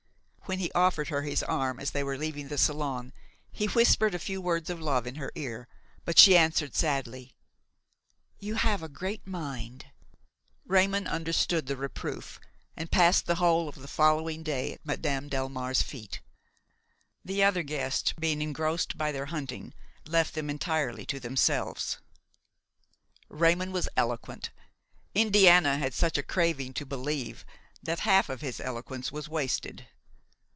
When he offered her his arm as they were leaving the salon, he whispered a few words of love in her ear; but she answered sadly: "You have a great mind!" Raymon understood the reproof and passed the whole of the following day at Madame Delmare's feet. The other guests, being engrossed by their hunting, left them entirely to themselves. Raymon was eloquent; Indiana had such a craving to believe, that half of his eloquence was wasted.